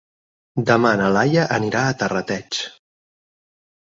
Demà na Laia anirà a Terrateig.